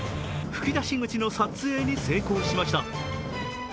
噴き出し口の撮影に成功しました。